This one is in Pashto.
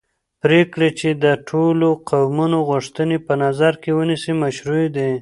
پرېکړې چې د ټولو قومونو غوښتنې په نظر کې ونیسي مشروعې دي